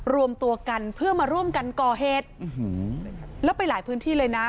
รวมตัวกันเพื่อมาร่วมกันก่อเหตุแล้วไปหลายพื้นที่เลยนะ